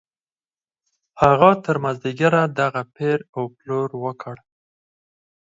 هغه تر مازديګره دغه پېر او پلور وکړ.